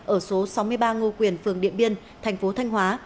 ở số sáu mươi ba ngo quyền phường điện biên tp thanh hóa